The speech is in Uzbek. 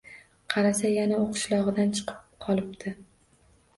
Qarasa, yana u qishlog’idan chiqib qolibdi.